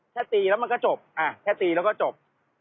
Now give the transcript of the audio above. ตีแล้วมันก็จบแค่ตีแล้วก็จบ